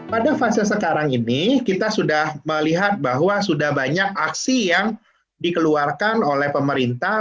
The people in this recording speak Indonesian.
pada fase sekarang ini kita sudah melihat bahwa sudah banyak aksi yang dikeluarkan oleh pemerintah